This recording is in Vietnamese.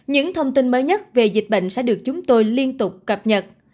những thông tin mới nhất về dịch bệnh sẽ được chúng tôi liên tục cập nhật